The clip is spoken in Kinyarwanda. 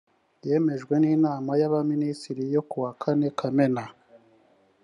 yemejwe n inama y abaminisitiri yo ku wa kane kamena